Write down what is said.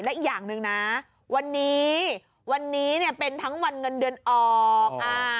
และอีกอย่างหนึ่งนะวันนี้วันนี้เนี่ยเป็นทั้งวันเงินเดือนออก